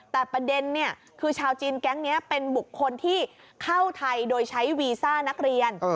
แต่ประเด็นคือชาวจีนแก๊งนี้เป็นบุคคลที่เข้าไทยโดยใช้วีซ่านักเรียน